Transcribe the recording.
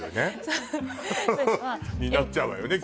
まあになっちゃうわよね